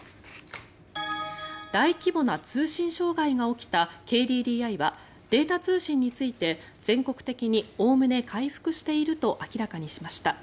大規模な通信障害が起きたＫＤＤＩはデータ通信について全国的におおむね回復していると明らかにしました。